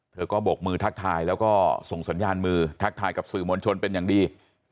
เธอก็บกมือทักทายแล้วก็ส่งสัญญาณมือทักทายกับสื่อมวลชนเป็นอย่างดี